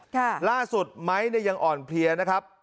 ล่าสุดไม้เนี่ยยังอ่อนเพลียนะครับ